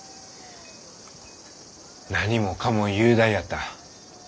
何もかも雄大やった。